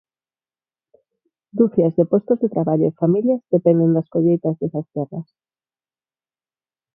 Ducias de postos de traballo e familias dependen das colleitas desas terras.